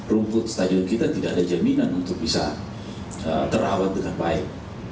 rumput stadion kita tidak ada jaminan untuk bisa terawat dengan baik